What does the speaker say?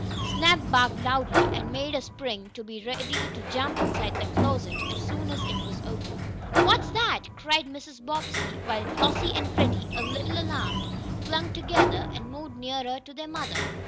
Snap barked loudly and made a spring, to be ready to jump inside the closet as soon as it was opened. "What's that?" cried Mrs. Bobbsey, while Flossie and Freddie, a little alarmed, clung together and moved nearer to their mother.